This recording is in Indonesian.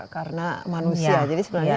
karena manusia jadi sebenarnya